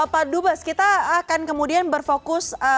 pak dubes kita akan kemudian berfokus